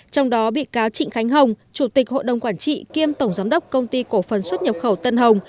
trong đó bị cáo trịnh khánh hồng chủ tịch hội đồng quản trị kiêm tổng giám đốc công ty cổ phần xuất nhập khẩu tân hồng